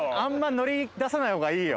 乗り出さないほうがいいよ。